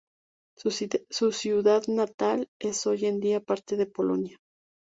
Su ciudad natal es hoy en día parte de Polonia.